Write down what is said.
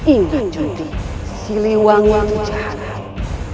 ingat junti siliwang itu jahat